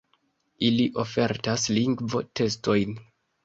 Ili ofertas lingvo-testojn.